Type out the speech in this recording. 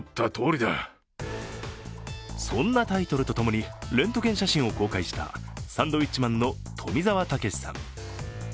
そんなタイトルとともにレントゲン写真を公開したサンドウィッチマンの富澤たけしさん。